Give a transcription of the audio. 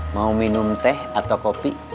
mau minum teh atau kopi